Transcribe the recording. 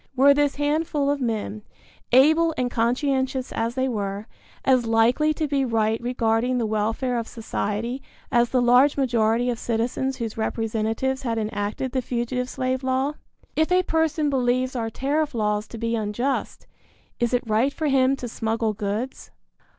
Were this handful of men, able and conscientious as they were, as likely to be right regarding the welfare of society as the large majority of citizens whose representatives had enacted the fugitive slave law? If a person believes our tariff laws to be unjust, is it right for him to smuggle goods?